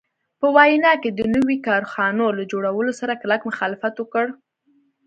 په ویانا کې د نویو کارخانو له جوړولو سره کلک مخالفت وکړ.